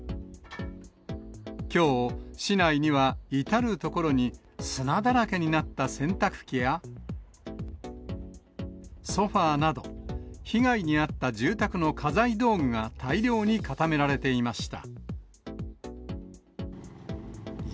きょう、市内には至る所に砂だらけになった洗濯機や、ソファーなど、被害に遭った住宅の家財道具が、大量に固められていました。